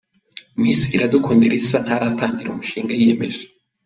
Miss Iradukunda Elsa ntaratangira umushinga yiyemeje?.